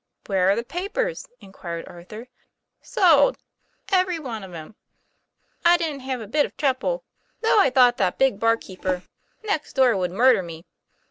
* Where are the papers ?' inquired Arthur. 'Sold every one of 'em. I didn't have a bit of trouble, though I thought that the big barkeeper TOM PLA YFAIR. next door would murder me.